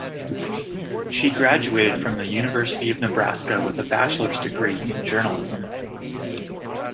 She graduated from the University of Nebraska with a bachelor's degree in journalism.